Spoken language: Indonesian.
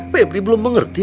febri belum mengerti